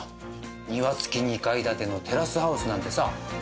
庭付き２階建てのテラスハウスなんてさ。